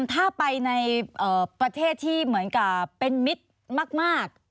ถ้าไปในประเทศที่เหมือนกับเป็นมิตรมาก